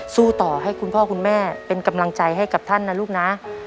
สู้ต่อให้คุณพ่อคุณแม่เป็นกำลังใจให้กับท่านนะลูกนะ